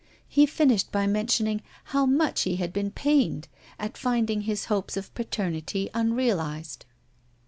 He finished by mentioning how much he had been pained at finding his hopes of paternity unrealized.